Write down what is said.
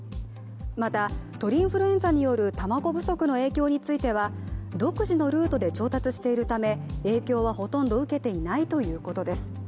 また、鳥インフルエンザによる卵不足の影響については独自のルートで調達しているため影響はほとんど受けていないということです。